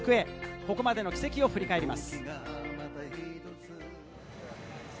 ここまでの軌跡を振り返ります。